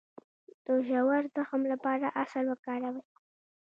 د ژور زخم لپاره عسل وکاروئ